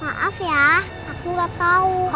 maaf ya aku gak tau